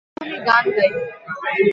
তাহলে গান গাই।